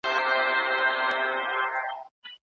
ایا نوي کروندګر کاغذي بادام خرڅوي؟